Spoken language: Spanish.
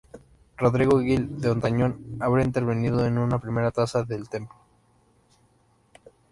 Rodrigo Gil de Hontañón habría intervenido en una primera traza del templo.